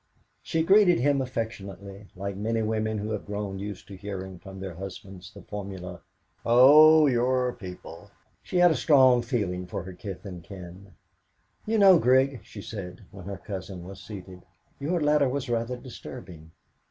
She greeted him affectionately, like many women who have grown used to hearing from their husbands the formula "Oh! your people!" she had a strong feeling for her kith and kin. "You know, Grig," she said, when her cousin was seated, "your letter was rather disturbing.